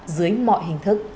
dưới mọi hình thức